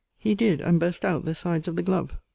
He did; and burst out the sides of the glove.